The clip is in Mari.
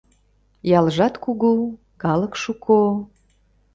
Ялжат кугу, калык шуко